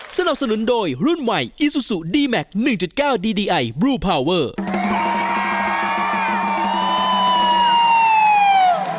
สนับสนุนโดยรุ่นใหม่อีซูซูดีแมค๑๙ดีดีไอบลูพาวเวอร์